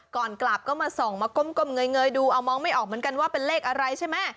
ก่อนกลับก็มาส่องมาก้มเงยดูเอามองไม่ออกเหมือนกันว่าเป็นเลขอะไรใช่ไหม